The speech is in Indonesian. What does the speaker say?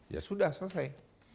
ya sudah selesai